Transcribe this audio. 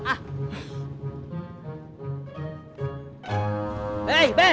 eh be helmnya tuh